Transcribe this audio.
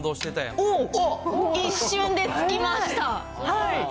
おっ、一瞬でつきました。